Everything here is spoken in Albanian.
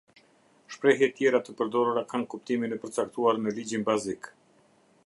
Shprehjet tjera të përdorura kanë kuptimin e përcaktuar në ligjin bazik.